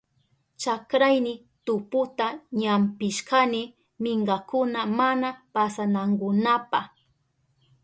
Chakrayni tuputa ñampishkani minkakuna mana pasanankunapa.